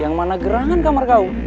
yang mana gerangan kamar kau